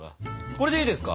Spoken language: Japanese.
これでいいですか？